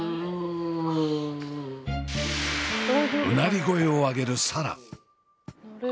うなり声を上げる紗蘭。